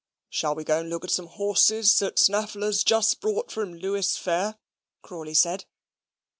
"Shall we go and look at some horses that Snaffler's just brought from Lewes fair?" Crawley said.